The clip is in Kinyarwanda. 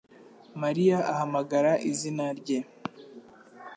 Mariya ahamagara izina rye